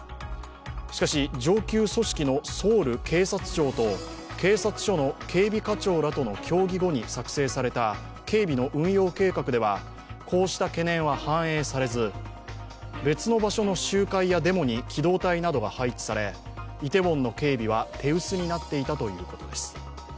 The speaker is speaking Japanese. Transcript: しかし、上級組織のソウル警察庁と警察署の警備課長らとの協議後に作成された警備の運用計画ではこうした懸念は反映されず、別の場所の集会やデモに機動隊などが配置され、イテウォンの警備は手薄になっていたということです。